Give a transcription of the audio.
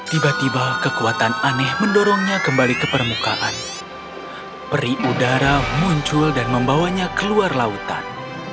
tiba tiba kekuatan aneh mendorongnya kembali ke permukaan peri udara muncul dan membawanya keluar lautan